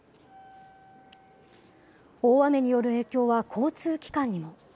大雨による影響は交通機関にも。